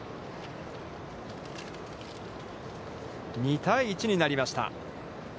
２対１になりました。